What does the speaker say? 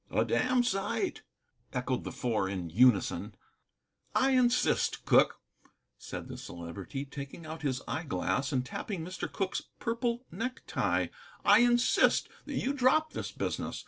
"A damned sight," echoed the Four in unison. "I insist, Cooke," said the Celebrity, taking out his eyeglass and tapping Mr. Cooke's purple necktie, "I insist that you drop this business.